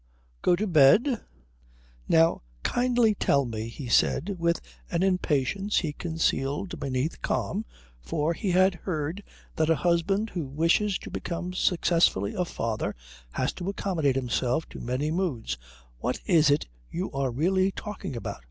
"Go to bed?" "Now kindly tell me," he said, with an impatience he concealed beneath calm, for he had heard that a husband who wishes to become successfully a father has to accommodate himself to many moods, "what it is you are really talking about."